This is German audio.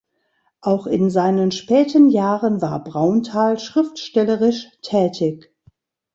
Auch in seinen späten Jahren war Braunthal schriftstellerisch tätig.